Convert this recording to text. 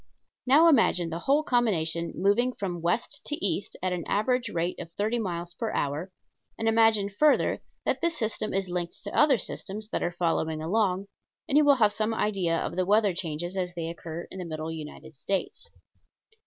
Now imagine the whole combination moving from west to east at an average rate of thirty miles per hour, and imagine further that this system is linked to other systems that are following along, and you have some idea of the weather changes as they occur in the middle United States.